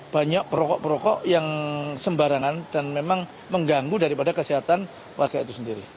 banyak perokok perokok yang sembarangan dan memang mengganggu daripada kesehatan warga itu sendiri